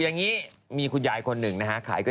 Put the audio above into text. สนุนโดยดีที่สุดคือการให้ไม่สิ้นสุด